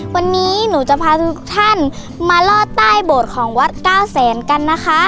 วันนี้หนูจะพาทุกท่านมาลอดใต้โบสถ์ของวัดเก้าแสนกันนะคะ